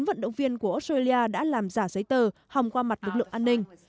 bốn vận động viên của australia đã làm giả giấy tờ hòng qua mặt lực lượng an ninh